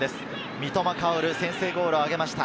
三笘薫、先制ゴールをあげました。